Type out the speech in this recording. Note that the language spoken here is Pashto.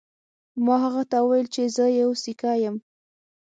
ما هغه ته وویل چې زه یو سیکه یم.